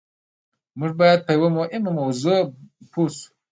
موږ بايد په يوه مهمه موضوع پوه شو.